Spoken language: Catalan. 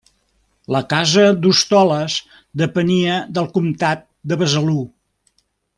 La casa d'Hostoles depenia del comtat de Besalú.